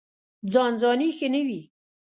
ځان ځاني ښه نه وي.